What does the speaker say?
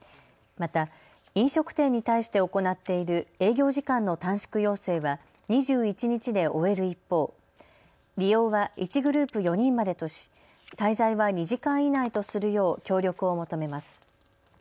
また、飲食店に対して行っている営業時間の短縮要請は２１日で終える一方、利用は１グループ４人までとし滞在は２時間以内とするよう協力を求めます。